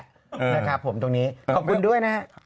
นะครับผมตรงนี้ขอบคุณด้วยนะครับ